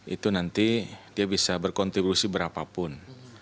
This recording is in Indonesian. itu nanti dia bisa berkontribusi berapapun